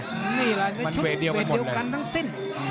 ต้องเวดเดียวกันทั้งสิ้น